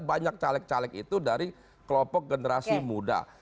banyak caleg caleg itu dari kelompok generasi muda